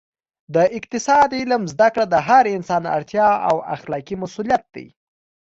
د اقتصاد علم زده کړه د هر انسان اړتیا او اخلاقي مسوولیت دی